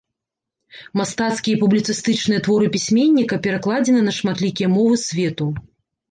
Мастацкія і публіцыстычныя творы пісьменніка перакладзены на шматлікія мовы свету.